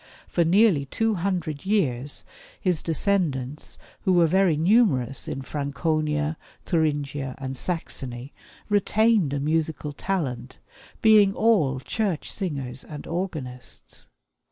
For nearly two hundred years his descendants, who were very numerous in Franconia, Thuringia, and Saxony, retained a musical talent, being all church singers and organists.